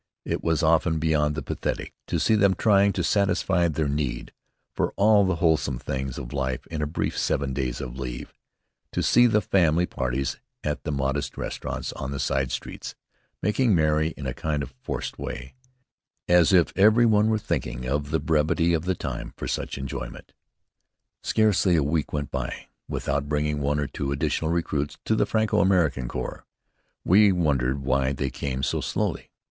It was often beyond the pathetic to see them trying to satisfy their need for all the wholesome things of life in a brief seven days of leave; to see the family parties at the modest restaurants on the side streets, making merry in a kind of forced way, as if every one were thinking of the brevity of the time for such enjoyment. Scarcely a week went by without bringing one or two additional recruits to the Franco American Corps. We wondered why they came so slowly.